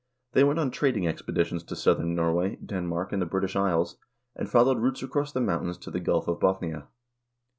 They went on trading expeditions to southern Norway, Denmark, and the British Isles, and followed routes across the mountains to the Gulf of Bothnia.